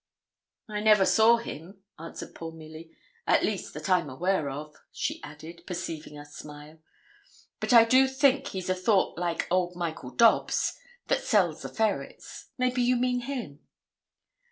'I never saw him,' answered poor Milly. 'At least, that I'm aware of,' she added, perceiving us smile. 'But I do think he's a thought like old Michael Dobbs, that sells the ferrets, maybe you mean him?'